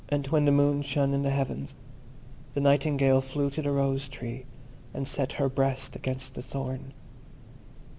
And when the Moon shone in the heavens the Nightingale flew to the Rose tree, and set her breast against the thorn.